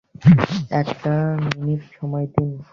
একটা মিনিট সময় দিন?